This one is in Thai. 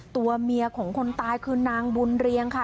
ตัวเมียของคนตายคือนางบุญเรียงค่ะ